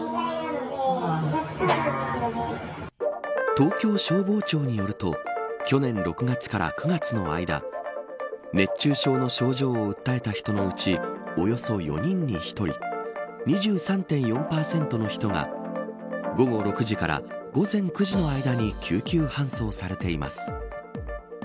東京消防庁によると去年６月から９月の間熱中症の症状を訴えた人のうちおよそ４人に１人２３．４％の人が午後６時から午前９時の間に救急搬送されています。